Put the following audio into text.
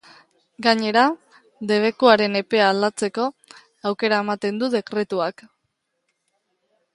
Gainera, debekuaren epea aldatzeko aukera ematen du dekretuak.